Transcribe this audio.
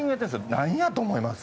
何やと思います？